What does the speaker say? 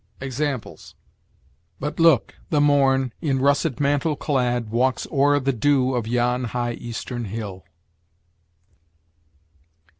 Examples: "But look, the morn, in russet mantle clad, Walks o'er the dew of yon high eastern hill."